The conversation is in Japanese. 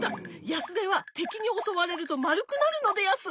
ヤスデはてきにおそわれるとまるくなるのでやす。